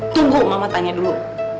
tunggu mama tanya dulu